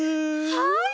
はい！